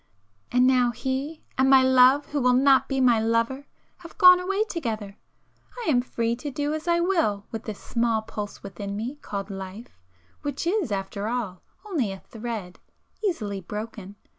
And now he, and my love who will not be my lover, have gone away together; I am free to do as I will with this small pulse within me called life, which is after all, only a thread, easily broken.